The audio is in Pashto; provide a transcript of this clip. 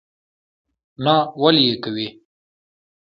نه ولي یې کوې?